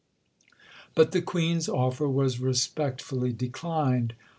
But the Queen's offer was respectfully declined.